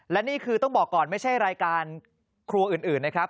และนี่คือต้องบอกก่อนไม่ใช่รายการครัวอื่นนะครับ